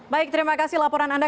baik terima kasih laporan anda